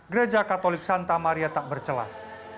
gereja katolik santa maria tak bercelah